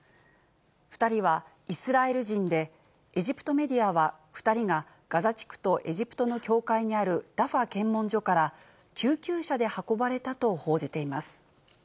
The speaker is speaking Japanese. ２人はイスラエル人で、エジプトメディアは、２人がガザ地区とエジプトの境界にあるラファ検問所から救急車で運ばれたと報じています。